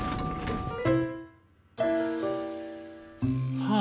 はあ？